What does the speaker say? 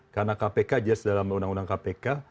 karena kpk aja sedalam undang undang kpk